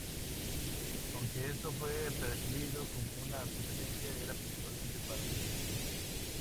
Aunque esto fue percibido como una competencia, era principalmente para el entretenimiento.